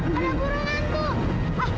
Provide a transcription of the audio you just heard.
ada burungan tuh